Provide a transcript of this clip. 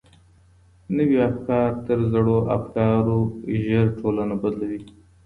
نوي افکار تر زړو افکارو ژر ټولنه بدلوي.